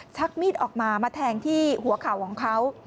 ชักมีดออกมามาแทงที่หัวเข่าของเขา